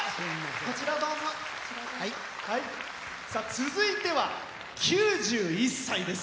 続いては９１歳です。